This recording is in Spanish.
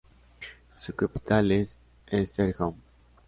Su capital es Esztergom.